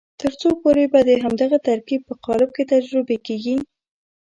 تر څو پورې به د همدغه ترکیب په قالب کې تجربې کېږي.